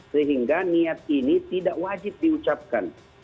sehingga niat ini tidak wajib diucapkan